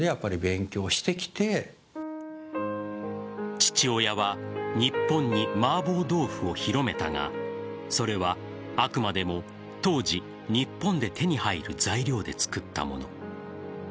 父親は日本に麻婆豆腐を広めたがそれはあくまでも当時、日本で手に入る材料で作ったもの。